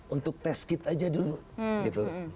untuk test kit aja dulu gitu